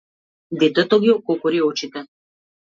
Детето ги ококори очите.